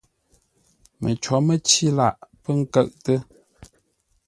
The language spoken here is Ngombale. Məcǒ mə́cí lâʼ pə́ kə́ʼtə́.